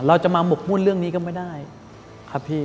เราจะมาหมกมูลเรื่องนี้ก็ไม่ได้